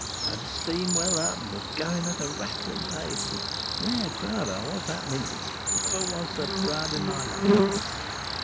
I had the steam well up, and was going at a rattling pace, and rare proud I was that minute. Never was so proud in my life!